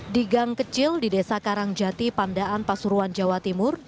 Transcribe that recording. di gang kecil di desa karangjati pamdaan pasuruan jawa timur